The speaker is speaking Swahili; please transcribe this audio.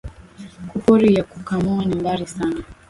Ku pori ya ku kamoa ni mbari sana